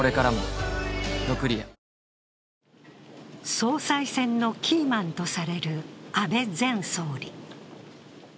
総裁選のキーマンとされる安倍前総理。